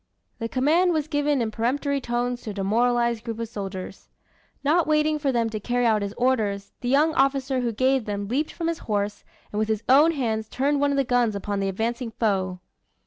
The command was given in peremptory tones to a demoralized group of soldiers. Not waiting for them to carry out his orders, the young officer who gave them leaped from his horse, and with his own hands turned one of the guns upon the advancing foe.